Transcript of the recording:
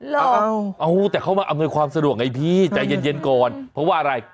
เอาแต่เขามาอำนวยความสะดวกไงพี่ใจเย็นก่อนเพราะว่าอะไร